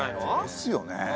ですよねえ。